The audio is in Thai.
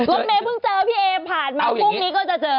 รถเมย์เพิ่งเจอพี่เอผ่านมาพรุ่งนี้ก็จะเจอ